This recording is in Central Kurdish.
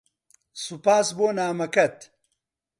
سوپاس بۆ نامەکەت.